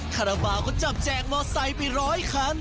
คาราบาลก็จับแจกมอไซค์ไปร้อยคัน